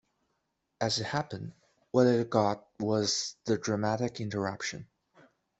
As it happened, what it got was the dramatic interruption.